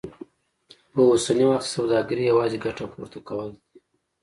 په اوسني وخت کې سوداګري يوازې ګټه پورته کول دي.